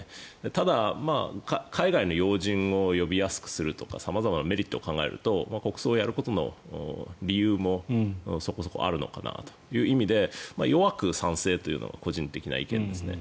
ただ、海外の要人を呼びやすくするとか様々なメリットを考えると国葬をやることの理由もそこそこあるのかなという意味で弱く賛成というのが個人的な意見ですね。